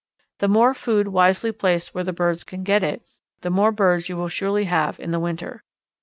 The more food wisely placed where the birds can get it, the more birds you will surely have in the winter.